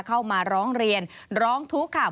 เข้ามาร้องเรียนร้องทุกข์ค่ะ